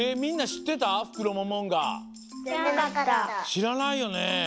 しらないよね。